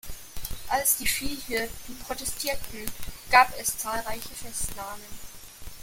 Als die Viehhirten protestierten, gab es zahlreiche Festnahmen.